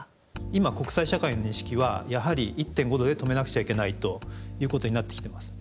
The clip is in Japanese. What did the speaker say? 今国際社会の認識はやはり１．５℃で止めなくちゃいけないということになってきてます。